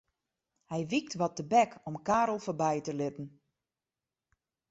Hy wykt wat tebek om Karel foarby te litten.